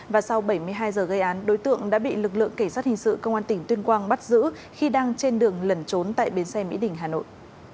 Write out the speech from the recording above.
và sau bảy mươi hai giờ gây án đối tượng đã bị lực lượng cảnh sát hình sự công an tỉnh tuyên quang bắt giữ khi đang trên đường lẩn trốn tại bến xe mỹ đình hà nội